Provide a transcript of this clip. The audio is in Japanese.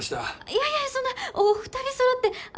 いやいやそんなお二人揃って。